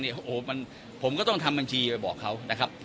โอ้โหผมก็ต้องทำบัญชีไปบอกเขานะครับ